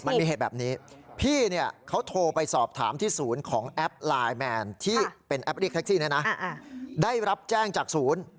มันมีเหตุแบบนี้พี่เนี่ยเขาโทรไปสอบถามที่ศูนย์ของแอปไลน์แมนที่เป็นแอปเรียกแท็กซี่เนี่ยนะได้รับแจ้งจากศูนย์